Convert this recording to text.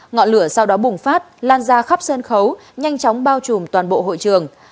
ngọn lửa sau đó bùng phát lan ra khắp sân khấu nhanh chóng bao trùm toàn bộ hội trường